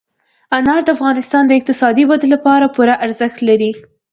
انار د افغانستان د اقتصادي ودې لپاره پوره ارزښت لري.